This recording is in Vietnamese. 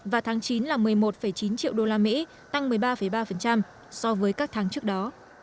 và tháng chín là một mươi một chín triệu usd tăng một mươi ba ba so với các tháng trước đó